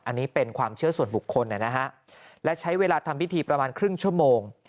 อันนี้เป็นความเชื่อส่วนบุคคลนะฮะและใช้เวลาทำพิธีประมาณครึ่งชั่วโมง